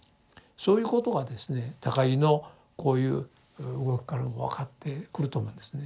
そういうことがですね高木のこういう動きからも分かってくると思うんですね。